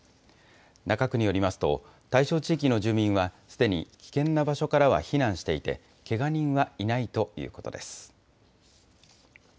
中区によりますと、対象地域の住民はすでに危険な場所からは避難していて、けが人はいないということです。